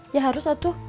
ya harus atuh